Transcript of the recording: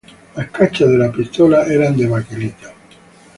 Las cachas de la pistola eran de baquelita.